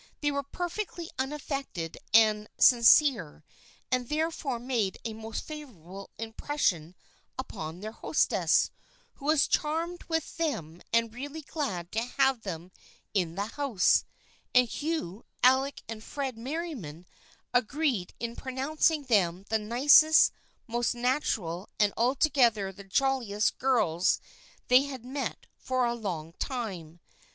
They were perfectly unaffected and sin cere and therefore made a most favorable impres sion upon their hostess, who was charmed with them and really glad to have them in the house, and Hugh, Alec and Fred Merriam agreed in pronouncing them the nicest, most natural, and altogether the j oiliest girls they had met for a long time.